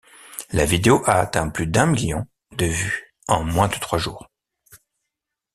La vidéo a atteint plus d'un million de vues en moins de trois jours.